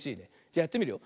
じゃやってみるよ。